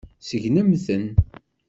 Segnemt-ten.